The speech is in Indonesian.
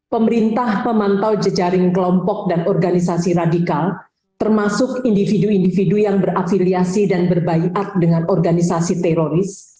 pemerintah memantau jejaring kelompok dan organisasi radikal termasuk individu individu yang berafiliasi dan berbayar dengan organisasi teroris